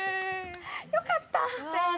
よかった。